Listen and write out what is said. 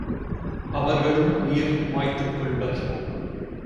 அவர்களும் உயிர் மாய்த்துக் கொள்வர்.